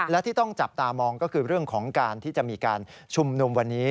และที่ต้องจับตามองก็คือเรื่องของการที่จะมีการชุมนุมวันนี้